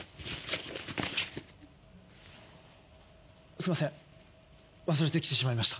すいません忘れてきてしまいました。